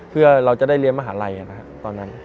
เพื่อเราจะได้เรียนมหาลัยตอนนั้น